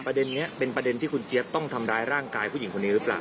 ประเด็นนี้เป็นประเด็นที่คุณเจี๊ยบต้องทำร้ายร่างกายผู้หญิงคนนี้หรือเปล่า